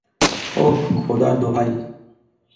অহ, খোদার দোহাই!